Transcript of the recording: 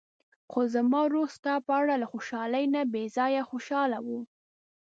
خو زما روح ستا په اړه له خوشحالۍ نه بې ځايه خوشاله و.